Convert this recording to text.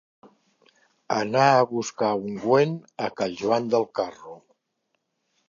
Anar a buscar ungüent a cal Joan del Carro.